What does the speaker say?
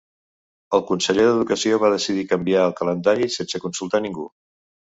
El conseller d'educació va decidir canviar el calendari sense consultar ningú.